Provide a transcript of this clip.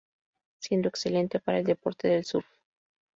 Siendo excelente para el deporte del surf.